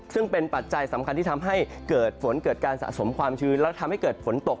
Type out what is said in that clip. ซึ่งเป็นปัจจัยสำคัญที่ทำให้เกิดฝนเกิดการสะสมความชื้นแล้วทำให้เกิดฝนตก